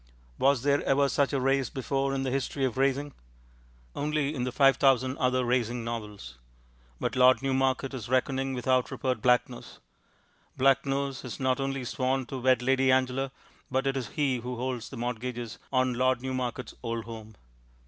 Was there ever such a race before in the history of racing? Only in the five thousand other racing novels. But Lord Newmarket is reckoning without Rupert Blacknose. Blacknose has not only sworn to wed Lady Angela, but it is he who holds the mortgages on Lord Newmarket's old home.